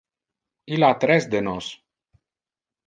Il ha tres de nos.